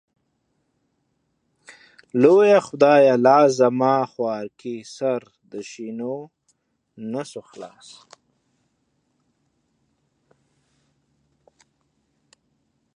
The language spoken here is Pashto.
لويه خدايه لازما خوارکۍ سر د شينونسو خلاص.